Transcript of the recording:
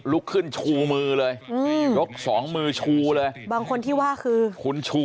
ลุกขึ้นชูมือเลยอืมยกสองมือชูเลยบางคนที่ว่าคือคุณชู